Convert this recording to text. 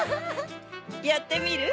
やってみる？